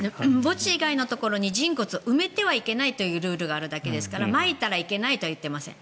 墓地以外のところに人骨を埋めてはいけないというルールがあるだけですからまいたらいけないとはいっていません。